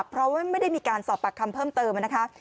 เพราะว่าไม่ได้มีการสอบปากคำเพิ่มเติมนะคะ